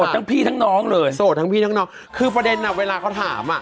ทั้งพี่ทั้งน้องเลยโสดทั้งพี่ทั้งน้องคือประเด็นอ่ะเวลาเขาถามอ่ะ